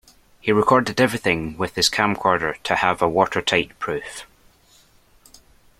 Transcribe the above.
He recorded everything with his camcorder to have a watertight proof.